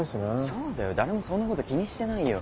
そうだよ誰もそんなこと気にしてないよ。